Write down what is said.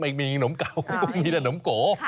ไม่มีหนมเก่าไม่มีแต่หนมโก